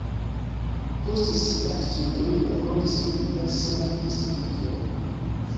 Post siaj studoj li laboris en diversaj institutoj.